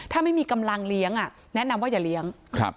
ถ้าไม่มีกำลังเลี้ยงแนะนำว่าอย่าเลี้ยง